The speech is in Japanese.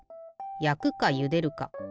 やくかゆでるか。